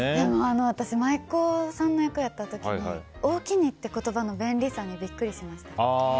私、舞妓さんの役やった時におおきにという言葉の便利さにびっくりしました。